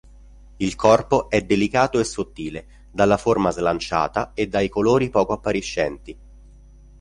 Il corpo è delicato e sottile, dalla forma slanciata e dai colori poco appariscenti.